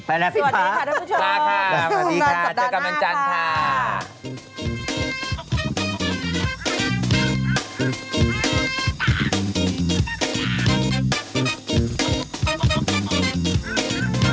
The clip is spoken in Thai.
ไปแล้วพี่พ้าลาค่ะสวัสดีค่ะทุกผู้ชมสู่งานสัปดาห์หน้าค่ะลาค่ะสู่งานสัปดาห์หน้าค่ะ